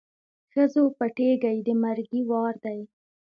ښځو پټېږی د مرګي وار دی